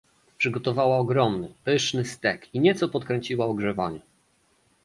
Przygotowała ogromny, pyszny stek i nieco podkręciła ogrzewanie